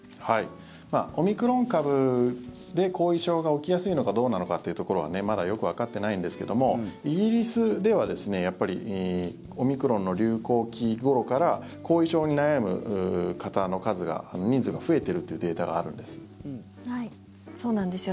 オミクロン株で後遺症が起きやすいのかどうなのかというところはまだよくわかってないんですけどイギリスではやっぱりオミクロンの流行期ごろから後遺症に悩む方の数が人数が増えてるというデータがあるんです。